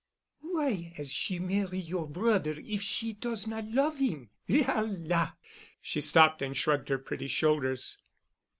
"Why 'as she marry your broder if she does not love 'im? La la!" She stopped and shrugged her pretty shoulders.